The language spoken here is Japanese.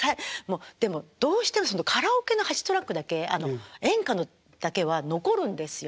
でもどうしてもカラオケの８トラックだけ演歌だけは残るんですよ